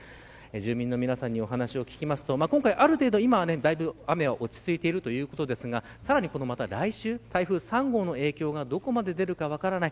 住人の皆さんにお話を聞くとある程度、今は雨は落ち着いていますがさらに来週台風３号の影響がどこまで出るか分からない。